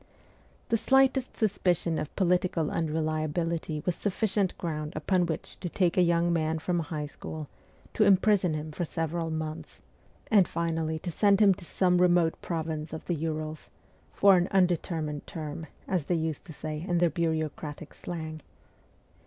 The slightest suspicion of political unreliability was sufficient ground upon which to take a young man from a high school, to imprison him for several months, and finally to send him to n 2 100 MEMOIRS OF A REVOLUTIONIST some remote province of the Urals 'for an unde termined term,' as they used to say in their bureau cratic slang.